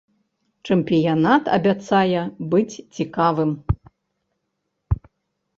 Чэмпіянат абяцае быць цікавым.